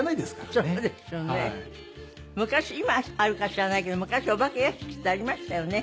今はあるか知らないけど昔お化け屋敷ってありましたよね。